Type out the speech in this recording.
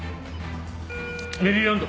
メリーランド。